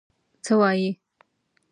څه وایې؟